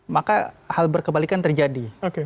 maka hal berkebalikan terjadi